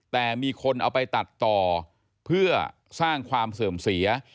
แต่มีคนเอาไปตัดต่อเพื่อสร้างความเสื่อมเสีย